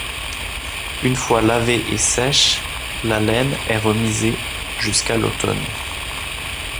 Une fois lavée et sèche, la laine est remisée jusqu’à l’automne.